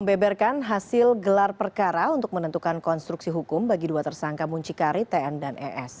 membeberkan hasil gelar perkara untuk menentukan konstruksi hukum bagi dua tersangka muncikari tn dan es